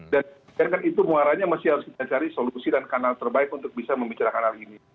dan di sekitar itu muaranya masih harus kita cari solusi dan kanal terbaik untuk bisa membicarakan hal ini